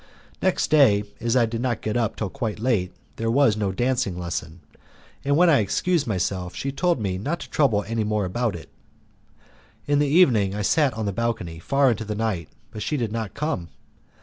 Next day, as I did not get up till quite late, there was no dancing lesson, and when I excused myself she told me not to trouble any more about it. In the evening I sat on the balcony far into the night, but she did not come.